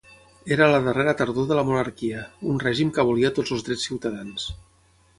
Era la darrera tardor de la monarquia, un règim que abolia tots els drets ciutadans.